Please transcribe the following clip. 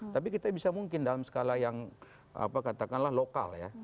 tapi kita bisa mungkin dalam skala yang katakanlah lokal ya